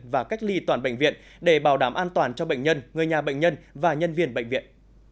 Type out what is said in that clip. và cách ly toàn bệnh viện để bảo đảm an toàn cho bệnh nhân người nhà bệnh nhân và nhân viên bệnh viện